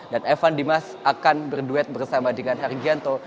dan evan dimas akan berduet bersama dengan hergianto